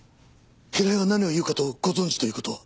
平井が何を言うかとご存じという事は。